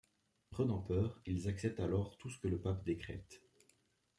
Prenant peur, ils acceptent alors tout ce que le pape décrète.